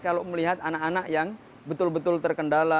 kalau melihat anak anak yang betul betul terkendala